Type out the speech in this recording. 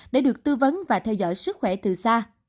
để được tư vấn và theo dõi sức khỏe từ xa